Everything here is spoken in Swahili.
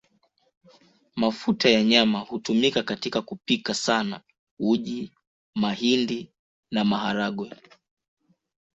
Mafuta ya nyama hutumika katika kupika sana uji mahindi na maharagwe